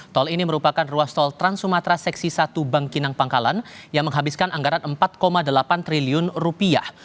tol ini merupakan ruas tol trans sumatera seksi satu bank kinang pangkalan yang menghabiskan anggaran empat delapan triliun rupiah